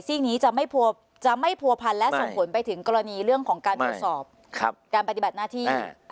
ที่นี้จะไม่พันและส่งผลไปถึงกรณีเรื่องของการปฏิบัติหน้าที่